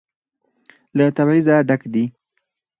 له تبعيضه ډک دى.